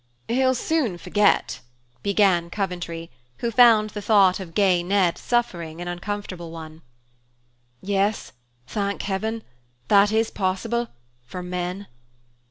"He'll soon forget," began Coventry, who found the thought of gay Ned suffering an uncomfortable one. "Yes, thank heaven, that is possible, for men."